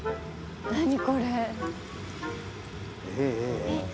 何これ？